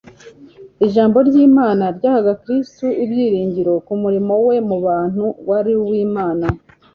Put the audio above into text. Ijambo ry'Imana ryahaga Kristo ibyiringiro ko umurimo we mu bantu wari uw'Imana.